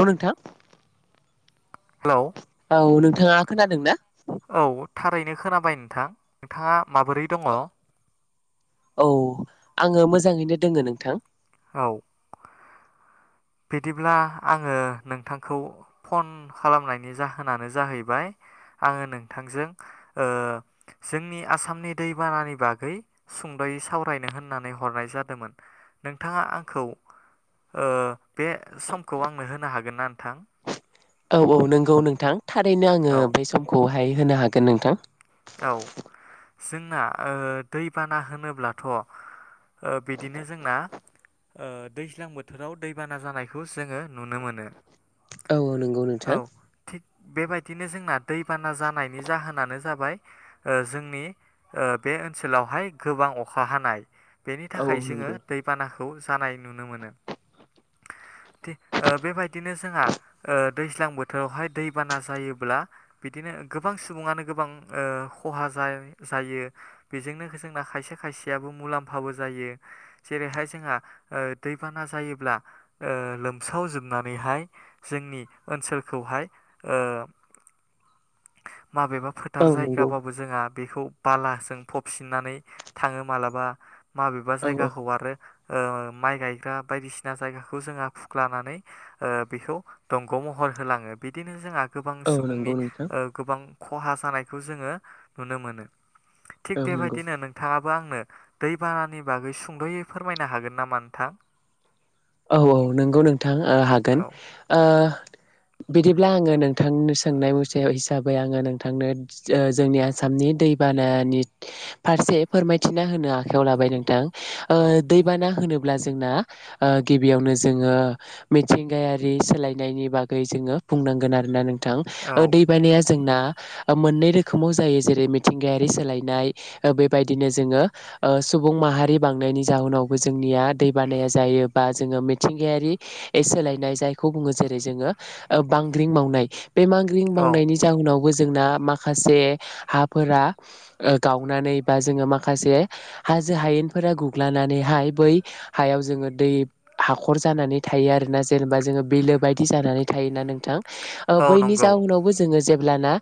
औ नोंथां। हेलौ। औ नोंथाङा खोनादों ना। औ थारैनो खोनाबाय नोंथां नोंथाङा माबोरै दङ औ आङो मोजाङैनो दोङो नोंथां। औ। बिदिब्ला आङो नोंथांखौ फन खालामनायनि जाहोनानो जाहैबाय। आङो नोंथांजों ओ जोंनि आसामनि दैबानानि बागै सुंद'यै सावरायनो होननानै हरनाय जादोंमोन नोंथाङा आंखौ ओ बे समखौ आंनो होनो हागोन ना नोंथां औ औ नंगौ नोंथां थारैनो आङो औ बे समखौहाय होनो हागोन नोंथां। औ। जोंना ओ दैबाना होनोब्लाथ' बिदिनो जोंना ओ दैज्लां बोथोराव दैबाना जानायखौ जोङो नुनो मोनो। औ औ नंगौ औ नोंथां। थिग बेबायदिनो जोंना दैबाना जानायनि जाहोनानो जाबाय। ओ जोंनि ओ बे ओनसोलावहाय गोबां अखा हानाय। बेनि औ औ थाखाय जोङो नंगौ दैबानाखौ जानाय नुनो मोनो। थिग बेबायदिनो जोंहा ओ दैज्लां बोथोरावहाय दैबाना जायोब्ला बिदिनो गोबां सुबुङानो गोबां ओ खहा जायो बेजोंनो जोंना खायसे खायसेयाबो मुलाम्फाबो जायो। जेरैहाय जोंहा ओ दैबाना जायोब्ला ओ लोमसाव जोबनानैहाय जोंनि ओनसोलखौहाय ओ माबेबा। औ थार नंगौ जायगाबाबो जोंहा बेखौ बालाजों फबसिननानै थाङो मालाबा। माबेबा औ जायगा हगारो ओ माइ गायग्रा बायदिसिना जायगाखौ जोंङा फुख्लानानै ओ बेखौ दंग' महर होलाङो बिदिनो जोंहा। गोबां औ नंगौ सुबुंनि नोंथां गोबां खहा जानायखौ जोङो नुनो मोनो। थिग औ नंगौ बेबायदिनो नोंथाङा आंनो दैबानानि बागै सुंद'यै फोरमायनो हागोन नामा नोंथां। औ औ नोंगौ नोंथां हागोन औ ओ बिदिब्ला आङो नोंथांनो सोंनाय मुस हिसाबै आङो नोंथांनो जोंनि आसामनि दै बानानि फारसे फोरमायथिना होनो आखायाव लाबाय नोंथां बा ओ दैबाना होनोब्ला जोंना ओ गिबियावनो जोङो मिथिंगायारि सोलायनायनि बागै जोङो बुंनांगोन आरोना नों नोथां औ दै बानाया जोंना मोननै रोखोमाव जायो जेरै मिथिंगायारि सोलायनाय बेबायदिनो जोङो। ओ सुबुं माहारि बांनायनि जाहोनावबो जोंनिया दै बानाया जायो। बा जोङो मिथिंगायारि सोलायनाय जायखौ बुङो जेरै जोङो बांग्रिं मावनाय। बे मांग्रिं औ मावनायनि जउनावबो जोंना माखासे हा फोरा ओ गावनानै बा जोङ माखासे हा हाजो हायेनफोरा गुग्लनानैहाय बै हायाव जोङो दै हाखर जानानै थायो आरोना जेनेबा जोङो बिलो बायदि जानानै थायोना नोंथां। ओ औ बैनि नंगौ जाउनावबो जोङो जे जेल्बाना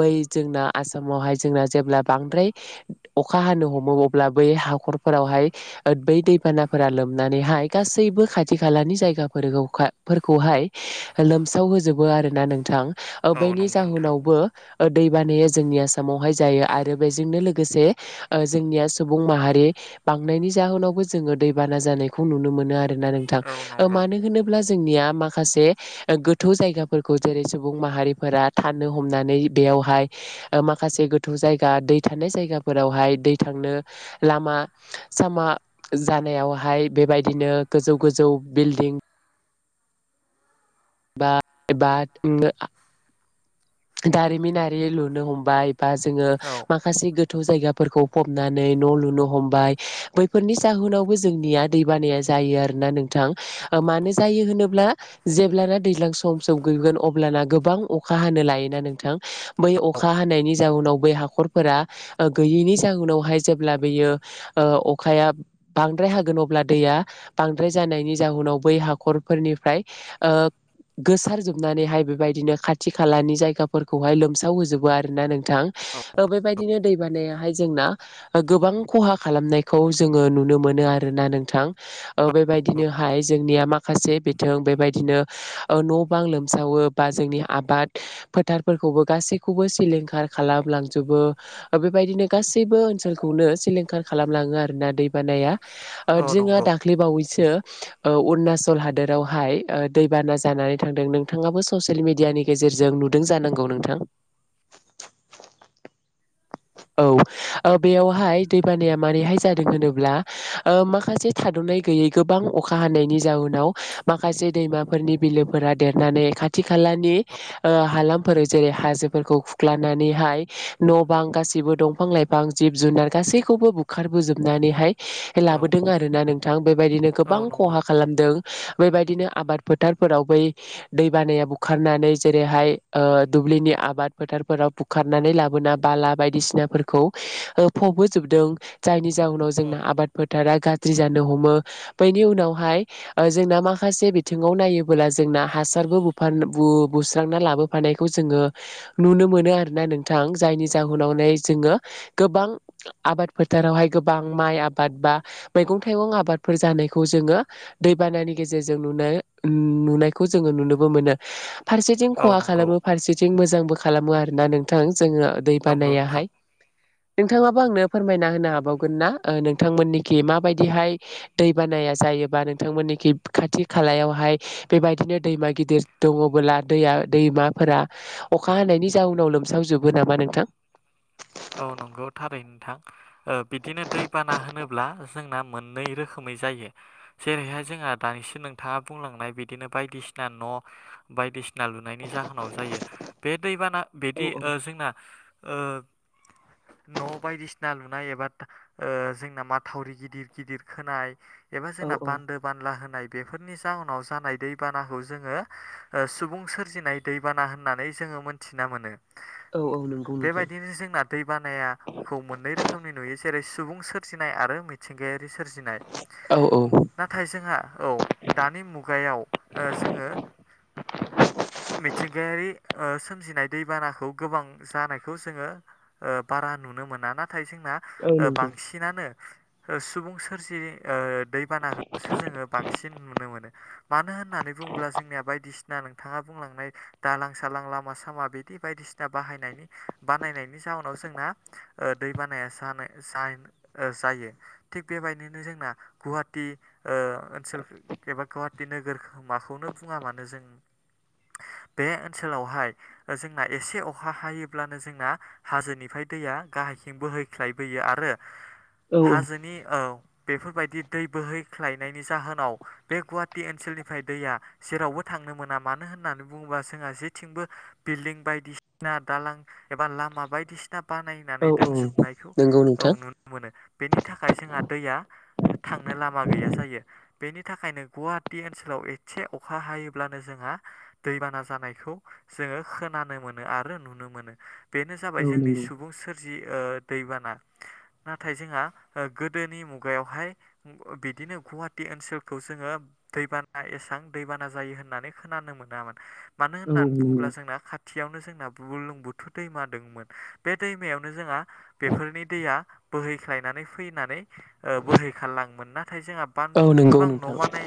बै जोंना आसामावहाय जोंना जेब्ला बांद्राय अखा हानो हमो अब अब्ला बै हाखरफोरावहाय बै दैबानाफोरा लोमनानैहाय गासैबो खाथि खालानि जायगाफोरखौहाय लोमसाव होजोबो आरोना नोंथां। औ बैनि नंगौ नोंथां जाहोनावबो दै बानाया जोंनि आसामावहाय जायो आरो बेजोंनो लोगोसे जोंनिया सुबुं माहारि बांनायनि जाहोनावबो जोङो दैबाना जानायखौ नुनो मोनो आरोोना नोंथां औ नंगौ मानो होनोब्ला जोंनिया माखासे गोथौ जायगाफोरखौ जेरै सुबुं माहारिफोरा थानो हमनानै बे यावहाय माखासे गोथौ जायगा दै थानाय जायगाफोरावहाय दै थांनो लामा सामा जानायावहाय बेबायदिनो गोजौ गोजौ बिल्डिं [unintelligible] दारिमिनारि लुनो हमबाय बा जोङो औ माखासे गथ' जायगाफोरखौ फबनानै न' लुनो हमबाय बैफोरनि जाहोनावबो जोंनिया दै बानाया ज जायो आरोना नोंथां‌ मानो जायो होनोब्ला ब्ला जेब्लाना दैज्लां सम सम गैगोन अब्लाना गोबां अखा हानो लायोना नोंथां बै अखा हानायनि जाउनाव बै हाखरफोरा गैयैनि जउनावहाय जेब्ला बेयो अखाया बांद्र बांद्राय होगोन अब्ला दैआ बांद्राय जानायनि जाहनाव बै हाखरफोरनिफ्राय गोसारजोबनानैहाय बेबायदिनो खाथि खालानि जायगायाव खाफोरखौहाय लोमसाव होजोबो आरो ना नोंथां बेबायदिनो दै बानायाहाय जोंना गोबां खहा खालामनायखौ जोङो नुनो मोनो आरोना नोंथां बेबायदिनोहाय जोंनिया माखासे बिं बेबायदिनो न' बां लोमसावो बा जोंनि आबाद फोथारफोरखौबो गासैखौबो सिलिंखार खालामलांजोबो बेबायदिनो गासैबो ओनसोलखौ नो सिलिंखार खालामलाङो आरोोना दै बानाया औ जोंहा नंगौ दाखलै बावैसो ओ अरुणाचल हादोरावहाय दैबाना जानानै थांदों नोंथाङाबो ससियेल मिडियानि गेजेरजों नुदों दों जानांगौ नोंथां औ बेयावहाय दैबानाया माबैहाय जादों होनोब्ला माखासे हादुंनाय गैयै गोबां अखा हानायनि जाउनाव माखासे दैमाफोरनि बिलोफोरा देरनानै ख खाथि खालानि हालामफोराव ओ जेरै हाजोफोरखौ खुख्लानानैहाय न' बां गाससिबो दंफां लाइफां जिब जुनार गासैखौबो बुखारबोजोबनानैहाय औ लाबोदों आरो ना नोंथां बेबायदिनो गोबां औ नंगौ खहा खालामदों बेबायदिनो आबाद फोथारफोराव बै दै बानाया बुखारनानै जेरैहाय दुब्लिनि आबाद फोथारफोराव बुखारनानै लाबोना बाला बायदिसिनाफोरखौ फबोजोबदों जायनि जाउनाव औ जोंना आबाद थारा गाज्रि जानो हमो बैनि उनावहाय जोंना माखासे बिथिङाव नायोबोला जों हासारबो बु-बुस्रांना लाबोफानायखौ जोङो नुनो मोनो आरोना नोंथां जायनि औ नंगौ जाउनावनो जोङो गोबां आबाद फोथारावहाय गोबां माइ आबाद बा मै मैगं थाइगं आबादफोर जानायखौ जोङो दैबानानि गेजेरजों नुनाय नुनायखौ जोङो नु मोन फारसेथिं औ खहा नंगौ खालाम फारसेथिं मोजांबो खालामो आरोना नोंथां ज नंगौ नोंथां बानायाहाय नोंथाङाबो आंनो फोरमायना होनो हाबावगोन ना नोंथांमोननिखि माबायदिहाय दै बानाया जायो जायोबा नोंथांमोननिखि खाथि खालायावहाय बेबायदिनो दैमा गिदिर दङला दैया दैमाफोरा अखा हानायनि जाउनाव लोमसावजोबो नामा नोंथां औ नंगौ थारै नोंथां बिदिनो दैबाना होनोब्ला जोंना मोननै रोखोमै जायो जेरैहाय जोंहा दानिसिम नोंथाङा बुंलांनाय बिदिनो बायदिसिना ना न' बायदिसिना फना लुनायनि जाहोनाव जायो बे दैबाना औ बिदि औ जोंना न' बायदिसिना लुनाय एबा जोंना माथावरि गिदिर गिदिर खोनाय एबा औ जोंना औ बान्दो बानला होनाय बेफोरनि जाहोनाव जानाय दैबानाखौ जोङो सुबुं सोरजिनाय दैबाना होननानै जोङो जोङो मोनथिना मोनो औ औ नंगौ नोंथां बानायाखौ मोननै रोखोमनि नुयो जेरै सुबुं सोरजिनाय आरो मिथिंगायारि सोरजिनाय। औ औ नाथाय जोंहा औ दानि मुगायाव ओ जोङो। मिेथिंगायारि। ओ सोमजिनाय दैबानाखौ गोबां जानायखौ जोङो ओ बारा नुनो मोना नाथाय ज जोंना औ ओ नंगौ बांसिनानो ओ सुबुं सोरजि ओ दैबाना बेसो जोङो बांसिन नुनो मोनो मानो होन होन्नानै बुंङोब्ला जोंनिया बायदिसि ना नोंथाङा बुंलांनाय दालां सालां लामा सामा बिदि बायदिसिना बाहायनानि बानानाय जाउनाव जोंना ओ दै बानाया जानाय जाय ओ जायो थिग बेबायदिनो जों ना गुवाहाटि ओ ओनसोल एबा गुवाहाटि नोगोर माखौनो बुङा मानो जों बे ओनसोलावहाय जोंना एसे अखा हायोब्लानो जोंना हाजोनिफ्राय दैया गाहायथिं बोहैख्लायबोयो आरो औ हाजोनि औ। बेफोरबायदि दै बोहैख्लायनायनि जाहोनाव बे गुवाहाटि ओनसोलनिफ्राय दैया जेरावबो था थांनो मोना मानो होननानै बुङोबा जोंहा जेथिंबो बिलडिं बायदिसिना दालां एबा लामाफ बायदिसिना औ बानायनानै औ दोनजोबनायखौ नंगौ औ नोंथां नुनो मोनो। बेनि थाखाय जोंहा दैया थांनो लामा गैया जायो बेनि थाखायनो गुवाहाटि ओनसोलाव एथसे अखा हायोब्लानो जोंहा दैबाना जानायखौ जोङो खोनानो मोनो आरो नुनो मोनो बेनो जाबाय औ जोंनि नंगौ सुबुं सोरजि ओ दैबाना। नाथाय जोंहा ओ गोदोनि मुगायावहाय बिदिनो गुवाहाटि ओनसोलखौ जोङो दैबाना एसां दैबाना जायो होननानै खोनानो मोनामोन। मानो औ होननानै नंगौ बुङोब्ला जोंना खाथियावनो जोंना बुलुं बुथुर दैमा द दोंमोन बे दैमायावनो जोंहा बेफोरनि दैया बोहैख्लायनानै फैनानै ओ ओ बोहैखारलङोमोन नाथाय जोंहा बान औ नंगौ गोबां न' नोंथां बानाय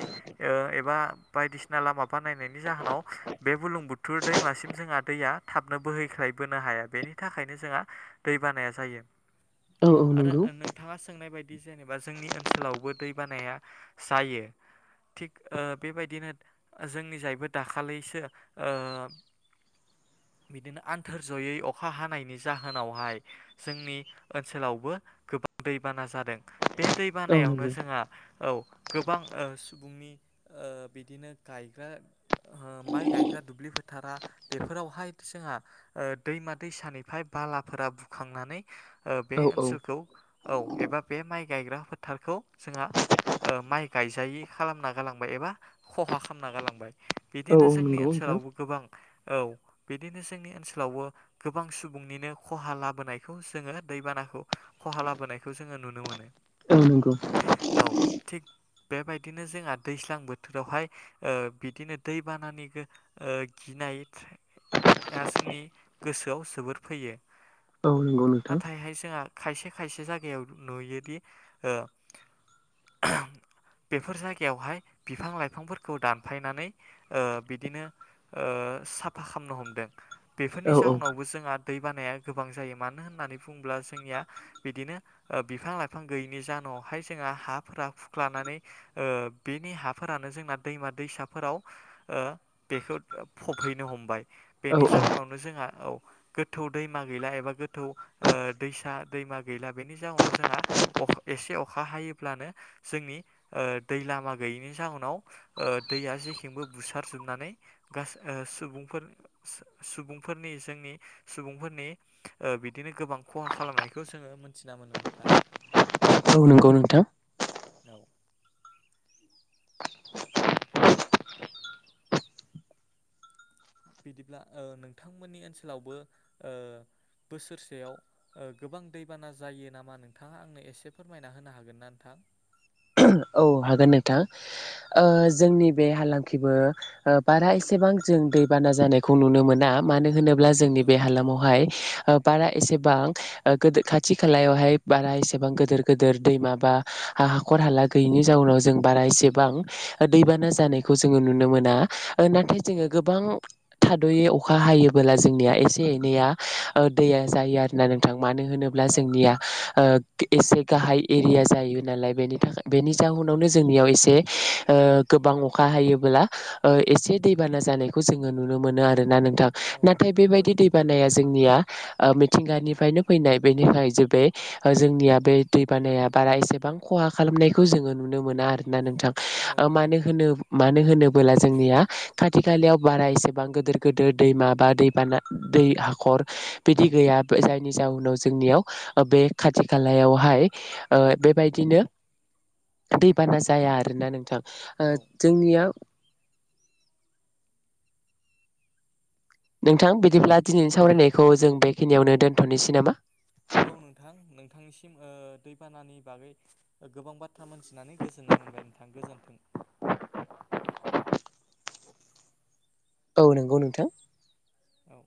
ओ एबा बायदिसिना लामा बानायनायनि जाहोनाव बे बुलुं बुथुर दैमासिम जोंहा दैया थाबनो बोहैखा खाय बोनो हायाखै बेनि थाखायनो जोंहा दै बानाया जायो। औ औ आरो नंगौ नोंथाङा सोंनाय बायदि जेनेबा जोंनि ओनसोलावबो दै बानाया जायो। थिग ओ बेबायदिनो जोंनि जायबो दाखालिसो ओ- बिदिनो आन्थोर जयै अख खा हानायनि जाहोनावहाय जोंनि ओनसोलावबो गोबां दैबाना जादों। बे दै औ बानायावनो नंगौ जोंहा औ। गोबां ओ सुबुंनि ओ बिदिनो गायग्रा ओ माइ गायग्रा दुब्लि फोथारा बेफोरावहाय जोंहा ओ दैमाद दैसानिफ्राय बालाफोरा बुखांनानै ओ बे औ औ ओनसोलखौ औ एबा बे माइ गाय गायग्रा फोथारखौ जोंहा ओ माइ गायजायि खालामना गालांबाय एबा खहा खालामना गालांबाय औ बिदिनो औ जोंनि नंगौ ओनसो नोंथां सोलावबो गोबां औ बिदिनो जोंनि ओनसोलावबो गोबां सुबुंनिनो खहा लाबोनायखौ जोङो दैबानाखौ खहा लाबोनायखौ जोङो नुनो मोनो। [unintelligible] औ नंगौ। औ थिग बेबायदिनो जोंहा दैज्लां बोथोरावहाय ओ बिदिनो दैबानानि गो ओ गि नायआ जोंनि गोसोआव जोबोर फैयो। औ नंगौ नोंथां नाथायहाय जोंहा खायसे खायसे जायगायाव नुयोदि ओ [unintelligible] बेफोर जायगायावहाय बिफां लाइफांफोरखौ दानफायनानै ओ बिदिनो ओ ओ साफा खालामनो हमदों बेफोरनि औ औ जाउनावबो जोंहा दै बानाया गोबां जायो मानो होननानै बुङोब्ला जोंनिया बिदिनो ओ बिफां लाइफां गैयिनि जान उनावहाय जोंहा हाफोरा खुख्लानानै बेनि हाफोरानो जोंना दैमा दैसाफोराव ओ बेखौ फबहैनो हमबाय औ बेनि जाउनावनो जोंहा औ। गोथौ दैमा गैला एबा गोथौ ओ दैसा दैमा गैला बेनि जाउनाव जोंहा अखा एसे अखा हायोब्लानो जोंनि ओ दै ओ लामा गैयैनि जाहोनाव ओ दैया ज बेखिंबो बुसार जोबनानै गास ओ सुबुंफोर सुबुंफोरनि जोंनि सुबुंफोरनि ओ बिदिनो गोबां खहा खालामनायखौ जोङो मोनथिना मोनो नोंथां [inaudible] औ नंगौ नोंथां औ बिदिब्ला ओ नोंथांमोननि ओनसोलावबो ओ बोसोरसेयाव ओ गोबां दैबाना जायो नामा नोंथाङा आंनो एसे फोरमायना होनो हागोन ना नोंथा [inaudible] [inaudible] औ हागोन नोंथां ओ जोंनि बे हालामखैबो बारा एसेबां जों दैबाना जानायखौ नुनो मोना मानो होनोब्ला जोंनि औ बे हालामावहाय ओ बारा एसेबां ओ गोदो खाथि खालायावहाय बारा एसेबां गोदोर गोदिर दैमा बा हाखर हाला गैयिनि जाउनाव जों बारा एसेबां दैबाना जानायखौ जोङो नुनो मोना ओ नाथाय जोङो औ गोबां थाद'यै अखा हायोबोला जोंनिया एसे एनैया ओ दैया जायो आरोना नोंथां मानो होनोब्ला औ जोंनिया ओ एसे गाहाय एरिया जायो नालाय बेनि थाखाय औ जाउनावनो जोंनियाव एसे ए ओ गोबां अखा हायोब्ला ओ एसे दैबाना जानायखौ जोङो नुनो मोनो आ रोना नोंथां औ नाथाय नंगौ बेबायदि दै बानाया जोंनिया ओ मिथिंगानिफ्रायनो फैनाय बेनिखाय जे बे जोंनिया बे दै बानाया बारा एसेबां खहा खालामनाय खौ जोङो नुनो मोना आरोना नोंथां औ ओ नंगौ मानो होनो मानो होनबोला जोंनिया खा थि खालायाव बारा एसेबां गोदिर गोदिर दैमा बा दैबाना दै हाखर बिदि गैया जायनि जाउनाव जोंनियाव बे खाथि खालायावहाय ओ बेबायदिनो दैबाना जाया आरोना नोंथां ओ औ जोंनिया नोंथां बिदिब्ला दिनैनि औ सावरायनायखौ जों बेखिनियावनो दोन्थ'नोसै नामा औ नोंथां नोंथांनिसिम ओ दैबानानि बागै गोबां बाथ्रा मोनथिनानै गोजोन नाय मोनबाय नोंथां गोजोनथों औ नंगौ नोंथां औ